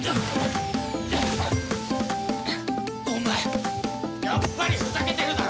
お前やっぱりふざけてるだろ！